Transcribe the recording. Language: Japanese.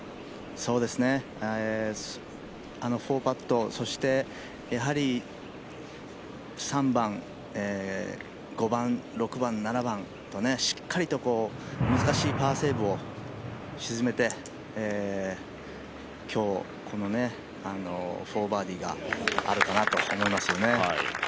あの４パット、そしてやはり３番、５番、６番、７番としっかりと難しいパーセーブを沈めて、今日、この４バーディーがあるかなと思いますね。